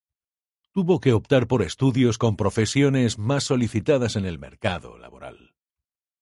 Tuvo que optar por estudios con profesiones más solicitadas en el mercado laboral.